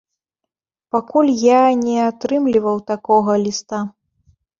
Пакуль я не атрымліваў такога ліста.